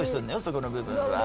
そこの部分は。